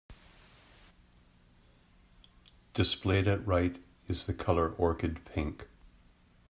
Displayed at right is the color orchid pink.